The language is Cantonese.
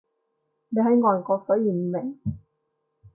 你喺外國所以唔明